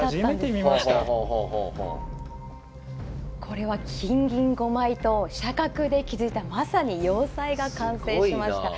これは金銀５枚と飛車角で築いたまさに要塞が完成しました。